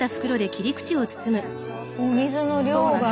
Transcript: お水の量が。